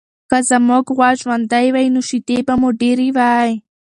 که زموږ غوا ژوندۍ وای، نو شیدې به مو ډېرې وای.